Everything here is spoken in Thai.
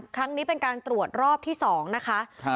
ครั้งนี้เป็นการตรวจรอบที่๒นะคะ